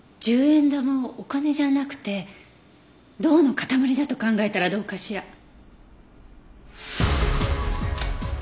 １０円玉をお金じゃなくて銅の塊だと考えたらどうかしら？